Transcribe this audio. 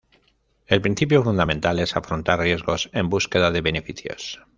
El principio fundamental es afrontar riesgos en búsqueda de beneficios.